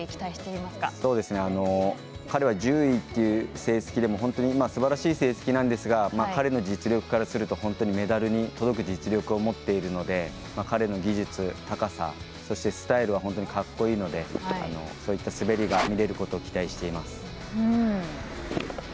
彼は、１０位っていう成績でも本当にすばらしい成績なんですが彼の実力からすると本当にメダルに届く実力を持っているので、彼の技術、高さそして、スタイルが本当にかっこいいのでそういった滑りが見られることを期待しています。